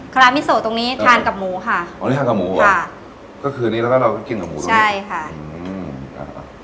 คารามิโซตรงนี้ทานกับหมูค่ะอ๋อนี่ทานกับหมูค่ะก็คือนี้แล้วก็เราก็กินกับหมูใช่ค่ะอืมอ่า